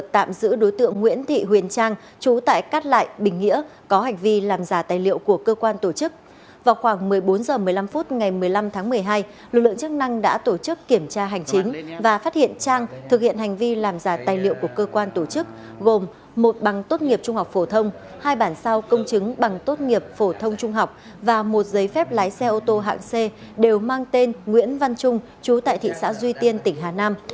trong tháng một mươi hai lực lượng chức năng đã tổ chức kiểm tra hành chính và phát hiện trang thực hiện hành vi làm giả tài liệu của cơ quan tổ chức gồm một bằng tốt nghiệp trung học phổ thông hai bản sao công chứng bằng tốt nghiệp phổ thông trung học và một giấy phép lái xe ô tô hạng c đều mang tên nguyễn văn trung chú tại thị xã duy tiên tỉnh hà nam